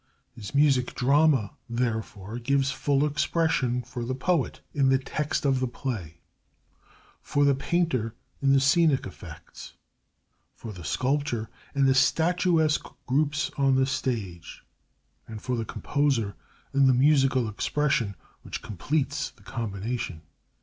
His Music Drama, therefore, gives full expression for the poet in the text of the play, for the painter in the scenic effects, for the sculptor in the statuesque groups on the stage, and for the composer in the musical expression which completes the combination.